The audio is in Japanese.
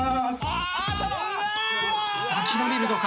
諦めるのか！？